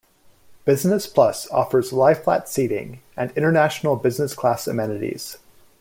Business Plus offers lie-flat seating and international business class amenities.